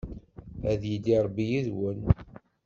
Ad yili Ṛebbi yid-wen.